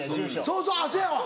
そうそうせやわ。